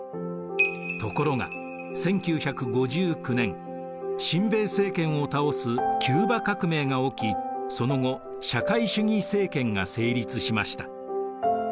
ところが１９５９年親米政権を倒すキューバ革命が起きその後社会主義政権が成立しました。